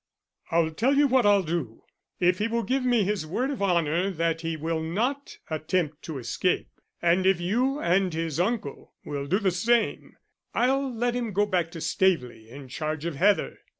I'll tell you what I'll do. If he will give me his word of honour that he will not attempt to escape, and if you and his uncle will do the same, I'll let him go back to Staveley in charge of Heather.